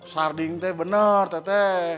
sarding teh bener teh teh